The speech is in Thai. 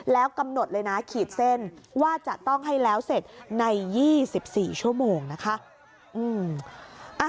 แล้วกำหนดเลยนะขีดเส้นว่าจะต้องให้แล้วเสร็จใน๒๔ชั่วโมงนะคะ